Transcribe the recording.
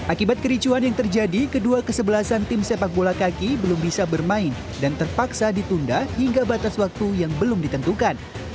akibat kericuan yang terjadi kedua kesebelasan tim sepak bola kaki belum bisa bermain dan terpaksa ditunda hingga batas waktu yang belum ditentukan